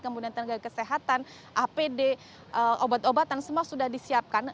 kemudian tenaga kesehatan apd obat obatan semua sudah disiapkan